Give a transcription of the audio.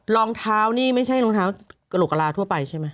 รองเท้านี่ไม่ใช่รองเท้ากระโหลกกระลาทั่วไปใช่ไหม